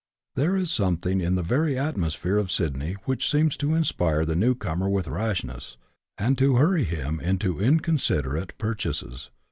There is something in the very atmosphere of Sydney which seems to inspire the new comer with rashness, and to hurry him on to inconsiderate purchases.